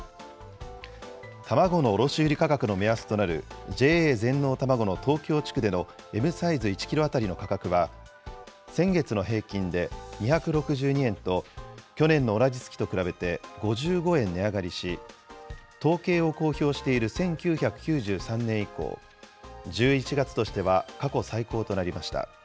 卵の卸売り価格の目安となるＪＡ全農たまごの東京地区でのＭサイズ１キロ当たりの価格は、先月の平均で２６２円と、去年の同じ月と比べて５５円値上がりし、統計を公表している１９９３年以降、１１月としては過去最高となりました。